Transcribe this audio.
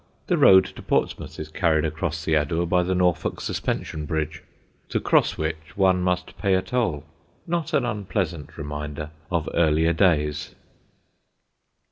The road to Portsmouth is carried across the Adur by the Norfolk Suspension Bridge, to cross which one must pay a toll, not an unpleasant reminder of earlier days.